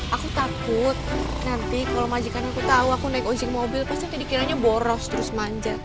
aku takut nanti kalo majikan aku tau aku naik ojek mobil pasti jadi kiranya boros terus manjat